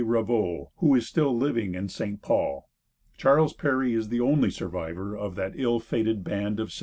Ravoux, who is still living in St. Paul. Charles Perry is the only survivor of that ill fated band of Selkirkers.